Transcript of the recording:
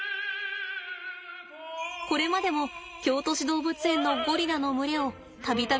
これまでも京都市動物園のゴリラの群れを度々描いてきました。